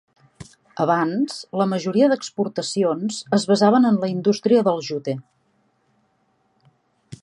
Abans, la majoria d'exportacions es basaven en la indústria del jute.